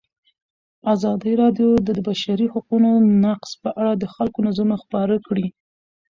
ازادي راډیو د د بشري حقونو نقض په اړه د خلکو نظرونه خپاره کړي.